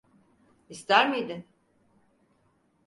İster miydin?